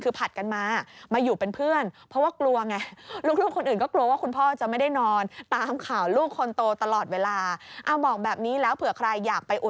คือผัดกันมามาอยู่เป็นเพื่อนเพราะว่ากลัวไง